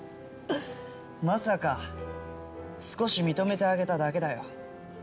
まさか少し認めてあげただけだよ